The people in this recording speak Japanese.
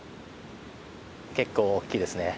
結構大きいですね。